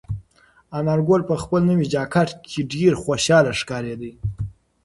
انارګل په خپل نوي جاکټ کې ډېر خوشحاله ښکارېده.